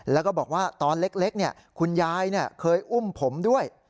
แล้วก็บอกว่าตอนเล็กคุณยายเคยอุ้มผมด้วย